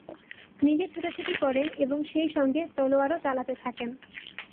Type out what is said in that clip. নিজে ছুটোছুটি করেন এবং সেই সঙ্গে তলোয়ারও চালাতে থাকেন।